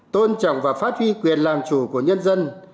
tôn trọng và phát huy quyền làm chủ của nhân dân